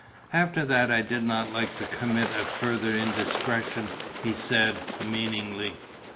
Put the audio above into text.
"After that I did not like to commit a further indiscretion," he said, meaningly.